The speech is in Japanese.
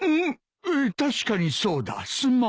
確かにそうだすまん。